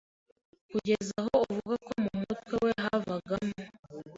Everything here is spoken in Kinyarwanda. kugeza aho avuga ko mu mutwe we havagamo